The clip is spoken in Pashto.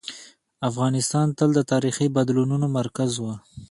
افغانستان تل د تاریخي بدلونونو مرکز و.